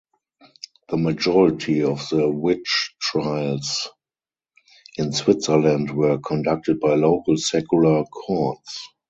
The majority of the witch trials in Switzerland were conducted by local secular courts.